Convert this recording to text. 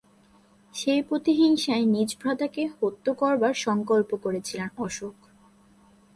সেই প্রতিহিংসায় নিজ ভ্রাতাকে হত্য করবার সঙ্কল্প করেছিলেন অশোক।